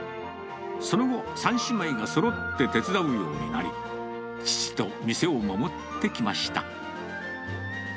その後、３姉妹がそろって手伝うようになり、父と店を守ってきました。